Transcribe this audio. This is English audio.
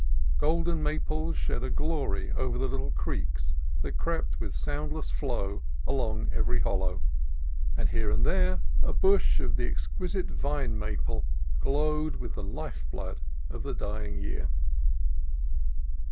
Golden maples shed a glory over the little creeks that crept with soundless flow along every hollow, and here and there a bush of the exquisite vine maple glowed with the life blood of the dying year.